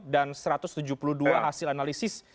dan satu ratus tujuh puluh dua hasil analisis